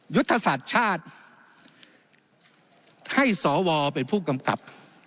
ยุทธศาสตร์ชาติให้สวเป็นผู้กำกับ